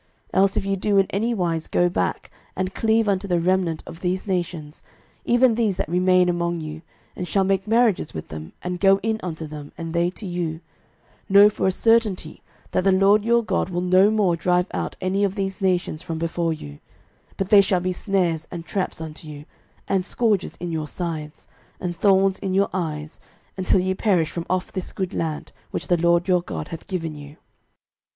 06:023:012 Else if ye do in any wise go back, and cleave unto the remnant of these nations, even these that remain among you, and shall make marriages with them, and go in unto them, and they to you: 06:023:013 Know for a certainty that the LORD your God will no more drive out any of these nations from before you; but they shall be snares and traps unto you, and scourges in your sides, and thorns in your eyes, until ye perish from off this good land which the LORD your God hath given you.